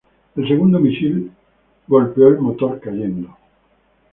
El segundo misil luego golpeó el motor cayendo.